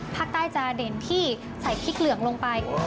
ภาคใต้จะเด่นที่ใส่พริกเหลืองลงไป